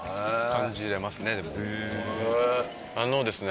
あのですね